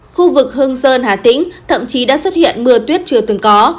khu vực hương sơn hà tĩnh thậm chí đã xuất hiện mưa tuyết chưa từng có